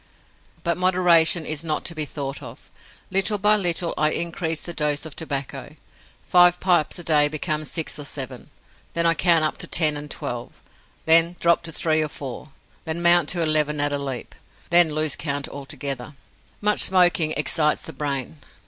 But moderation is not to be thought of; little by little I increase the dose of tobacco. Five pipes a day become six or seven. Then I count up to ten and twelve, then drop to three or four, then mount to eleven at a leap; then lose count altogether. Much smoking excites the brain.